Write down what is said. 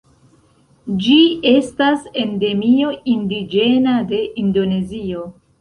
Ĝi estas endemio indiĝena de Indonezio.